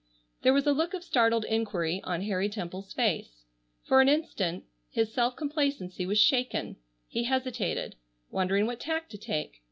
There was a look of startled enquiry on Harry Temple's face. For an instant his self complacency was shaken. He hesitated, wondering what tack to take.